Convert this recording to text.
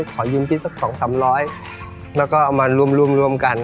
ขอยืมพี่สัก๒๓๐๐แล้วก็เอามาร่วมกัน